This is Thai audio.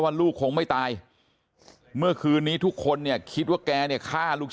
ลูกคงไม่ตายเมื่อคืนนี้ทุกคนเนี่ยคิดว่าแกเนี่ยฆ่าลูก